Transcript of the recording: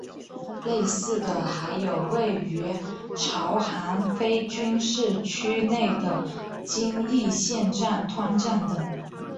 类似的还有位于朝韩非军事区内的京义线长湍站等。